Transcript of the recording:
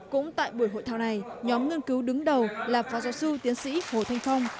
cũng tại buổi hội thao này nhóm nghiên cứu đứng đầu là phó giáo sư tiến sĩ hồ thanh phong